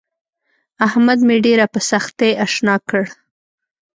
احمد مې ډېره په سختي اشنا کړ.